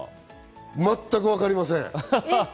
全くわかりません。